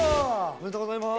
おめでとうございます。